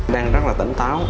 đang rất là tỉnh táo